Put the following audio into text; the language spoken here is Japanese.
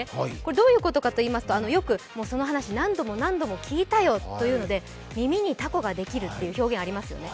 どういうことかといいますと、よくその話、何度も何度も聞いたよというので「耳にたこができる」っていう表現がありますよね。